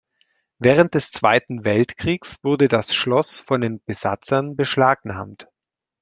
Während des Zweiten Weltkriegs wurde das Schloss von den Besatzern beschlagnahmt.